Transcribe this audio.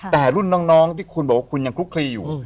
แต่รุ่นน้องที่คุณบอกว่าคุณยังคลุกคลีอยู่